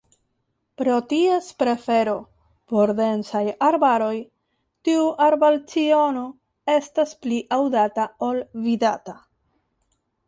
Pro ties prefero por densaj arbaroj, tiu arbalciono estas pli aŭdata ol vidata.